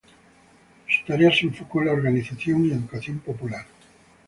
Su tarea se enfocó en la organización y educación popular.